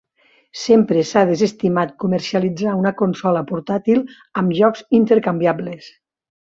Sempre s'ha desestimat comercialitzar una consola portàtil amb jocs intercanviables.